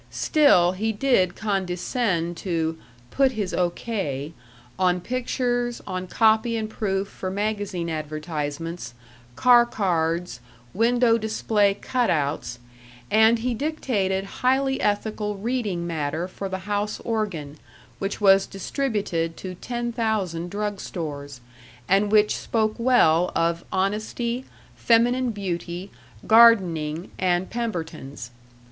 Still, he did condescend to "put his O. K." on pictures, on copy and proof for magazine advertisements, car cards, window display "cut outs," and he dictated highly ethical reading matter for the house organ, which was distributed to ten thousand drug stores, and which spoke well of honesty, feminine beauty, gardening, and Pemberton's.